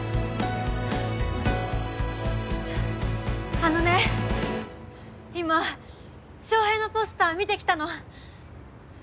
あのね今翔平のポスター見てきたの。